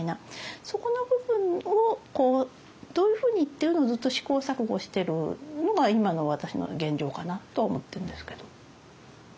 そこの部分をどういうふうにっていうのをずっと試行錯誤してるのが今の私の現状かなと思ってるんですけど。